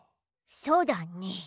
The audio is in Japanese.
そうだね。